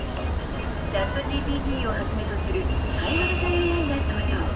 ＣｈａｔＧＰＴをはじめとする対話型ＡＩが登場。